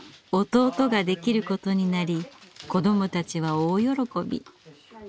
弟ができることになり子どもたちは大喜び。